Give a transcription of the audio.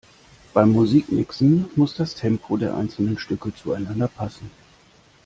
Beim Musikmixen muss das Tempo der einzelnen Stücke zueinander passen.